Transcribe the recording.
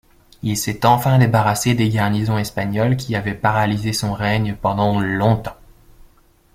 Il s'est enfin débarrassé des garnisons espagnoles qui avaient paralysé son règne pendant longtemps.